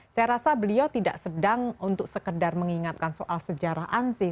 saya rasa beliau tidak sedang untuk sekedar mengingatkan soal sejarahan sih